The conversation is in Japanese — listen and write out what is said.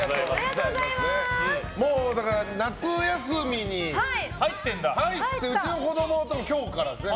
もう夏休みに入ってうちの子供は今日からですね。